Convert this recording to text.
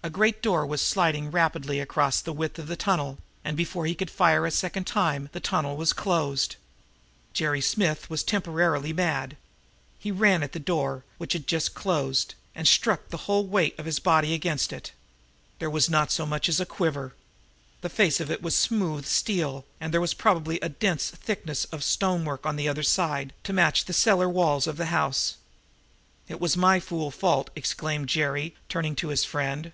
A great door was sliding rapidly across the width of the tunnel, and, before he could fire a second time, the tunnel was closed. Jerry Smith went temporarily mad. He ran at the door, which had just closed, and struck the whole weight of his body against it. There was not so much as a quiver. The face of it was smooth steel, and there was probably a dense thickness of stonework on the other side, to match the cellar walls of the house. "It was my fool fault," exclaimed Jerry, turning to his friend.